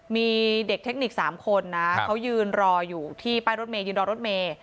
มีเด็กเทคนิค๓คนนะเขายืนรออยู่ที่ป้ายรถเมยยืนรอรถเมย์